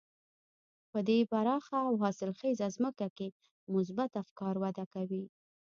په دې پراخه او حاصلخېزه ځمکه کې مثبت افکار وده کوي.